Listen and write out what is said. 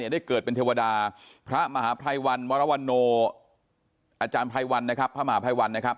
ได้เกิดเป็นเทวดาพระมหาภัยวัณฑ์มรวณโนอาจารย์พระมหาภัยวัณฑ์นะครับ